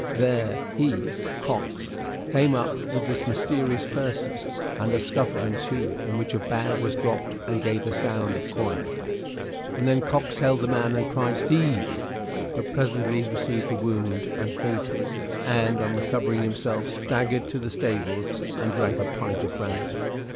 There he (Cox) came up with this mysterious person, and a scuffle ensued in which a bag was dropped and gave the sound of coin; and then Cox held the man and cried 'Thieves!' but presently received a wound and fainted, and on recovering himself, staggered to the stables and drank a pint of brandy.